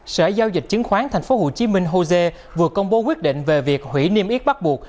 sở giao dịch chứng khoán tp hcm jose vừa công bố quyết định về việc hủy niêm yết bắt buộc